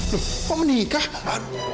loh kok menikah